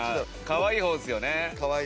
かわいい方ですよね？